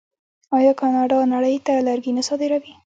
آیا کاناډا نړۍ ته لرګي نه صادروي؟